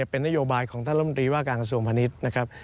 เป็นนโยบายของท่านลำตรีว่าการกระทรวงพาณิชย์นะครับ